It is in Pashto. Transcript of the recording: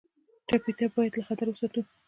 ټپي ته باید له خطره وساتو.